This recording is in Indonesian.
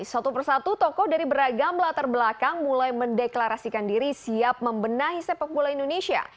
satu persatu tokoh dari beragam latar belakang mulai mendeklarasikan diri siap membenahi sepak bola indonesia